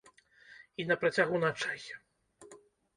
І на працягу начэй.